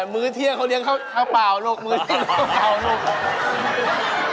มื้อเที่ยงเขาเลี้ยงข้าวเปล่าลูกมื้อเที่ยงข้าวเปล่าลูก